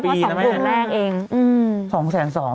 อันนี้สำหรับสองสูงแรงเอง